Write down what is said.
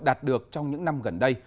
đạt được trong những năm gần đây